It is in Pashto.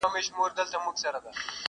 نسته څوک د رنځ طبیب نه د چا د زړه حبیب.!